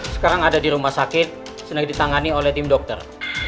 sekarang ada di rumah sakit sedang ditangani oleh tim dokter